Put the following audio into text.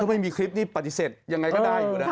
ไม่มีคลิปปฏิเสธยังไงก็ได้